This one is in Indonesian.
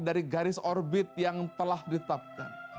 dari garis orbit yang telah ditetapkan